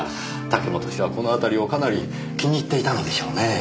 武本氏はこの辺りをかなり気に入っていたのでしょうねえ。